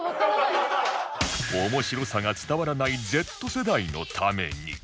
面白さが伝わらない Ｚ 世代のために